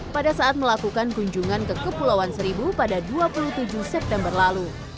pada saat melakukan kunjungan ke kepulauan seribu pada dua puluh tujuh september lalu